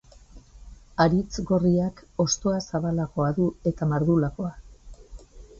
Haritz gorriak hostoa zabalagoa du eta mardulagoa.